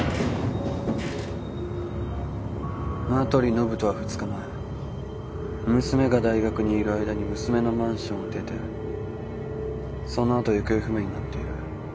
麻取延人は２日前娘が大学にいる間に娘のマンションを出てそのあと行方不明になっている。